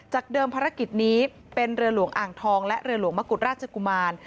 เดิมภารกิจนี้เป็นเรือหลวงอ่างทองและเรือหลวงมะกุฎราชกุมาร